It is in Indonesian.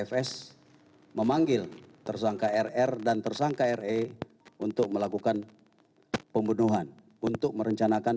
fs memanggil tersangka rr dan tersangka re untuk melakukan pembunuhan untuk merencanakan